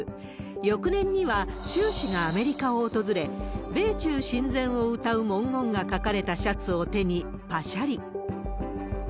翌年には、習氏がアメリカを訪れ、米中親善をうたう文言が書かれたシャツを手に、ぱしゃり。